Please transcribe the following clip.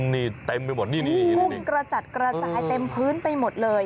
นี่เต็มไปหมดนี่กุ้งกระจัดกระจายเต็มพื้นไปหมดเลย